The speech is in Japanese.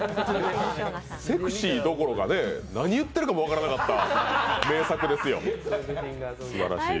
セクシーどころか何言っているのかも分からなかった名作ですよ。